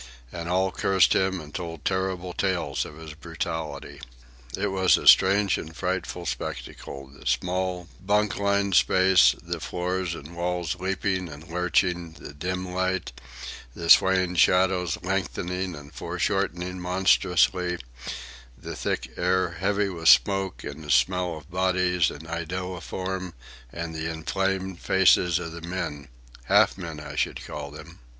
And all cursed him and told terrible tales of his brutality. It was a strange and frightful spectacle—the small, bunk lined space, the floor and walls leaping and lurching, the dim light, the swaying shadows lengthening and fore shortening monstrously, the thick air heavy with smoke and the smell of bodies and iodoform, and the inflamed faces of the men—half men, I should call them.